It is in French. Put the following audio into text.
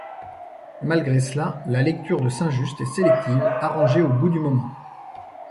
Malgré cela, la lecture de Saint-Just est sélective, arrangée au goût du moment.